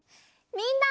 みんな！